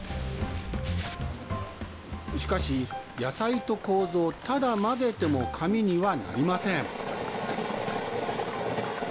しかし、野菜とコウゾをただ混ぜても紙にはなりません。